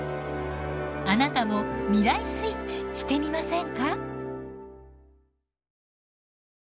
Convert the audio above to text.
あなたも未来スイッチしてみませんか？